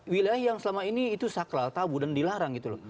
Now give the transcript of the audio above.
wilayah yang selama ini itu sakral tabu dan dilarang gitu loh